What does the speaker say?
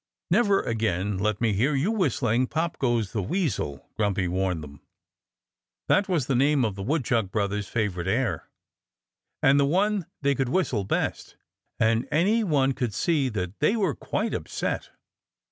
"Never again let me hear you whistling, 'Pop! Goes the Weasel,'" Grumpy warned them. That was the name of the Woodchuck brothers' favorite air, and the one they could whistle best. And any one could see that they were quite upset.